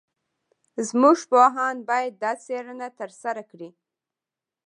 زموږ پوهان باید دا څېړنه ترسره کړي.